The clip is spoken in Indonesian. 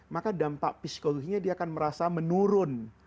maka dampak psikologinya dia akan merasa menurun